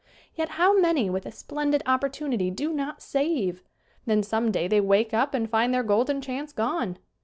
Yet how many, with a splendid opportunity, do not save ! Then some day they wake up and find their golden chance gone.